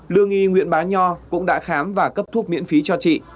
lương y nguyễn bá nho cũng đã khám và cấp thuốc miễn phí cho chị